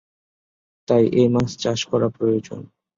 তাই এ মাছ চাষ করা প্রয়োজন।